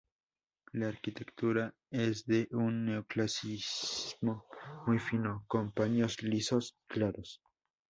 La arquitectura es de un neo-clasicismo muy fino con paños lisos y claros.